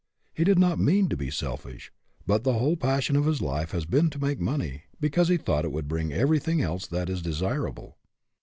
He did not mean to be selfish; but the whole passion of his life has been to make money, because he thought that would bring every thing else that is desirable.